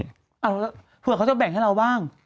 เผื่อเขาจะแบ่งให้เราบ้าง